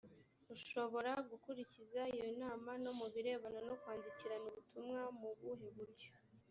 ushobora gukurikiza iyo nama no mu birebana no kwandikirana ubutumwa mu buhe buryo